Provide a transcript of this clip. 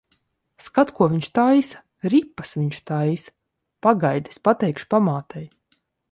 Skat, ko viņš taisa! Ripas viņš taisa. Pagaidi, es pateikšu pamātei.